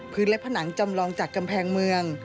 และผนังจำลองจากกำแพงเมือง